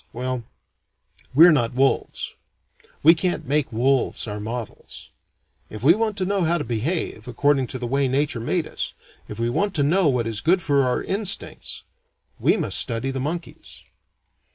Well we're not wolves. We can't make wolves our models. If we want to know how to behave, according to the way nature made us, if we want to know what is good for our instincts, we must study the monkeys."